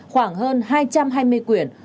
khoảng hơn hai trăm hai mươi quyển